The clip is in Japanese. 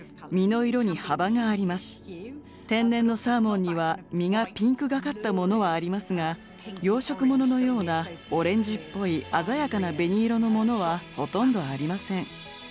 天然のサーモンには身がピンクがかったものはありますが養殖もののようなオレンジっぽい鮮やかな紅色のものはほとんどありません。